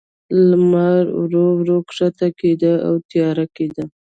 لمر ورو، ورو کښته کېده، او تیاره کېده.